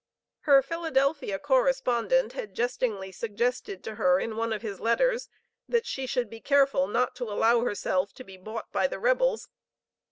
Her Philadelphia correspondent had jestingly suggested to her in one of his letters, that she should be careful not to allow herself to be "bought by the rebels."